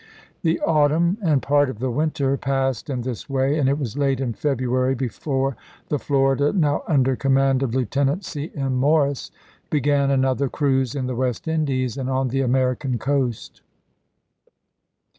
2 The autumn and a part of the winter passed in this way, and it was late in February before the Florida, now under command of Lieutenant C.M.Morris, began another cruise in the West Indies and on the American coast.